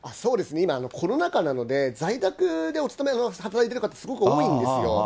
今、コロナ禍なので、在宅でお勤め、働いてる方、すごく多いんですよ。